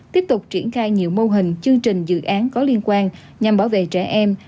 tiếp tục triển khai nhiều mô hình chương trình dự án có liên quan nhằm bảo vệ trẻ em